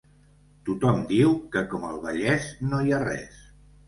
Tothom diu que com el Vallès no hi ha res.